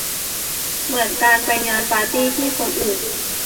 เหมือนการไปงานปาร์ตี้ที่คนอื่น